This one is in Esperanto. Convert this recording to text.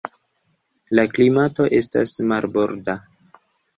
La klimato estas marborda.